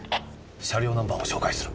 車両ナンバーを照会する。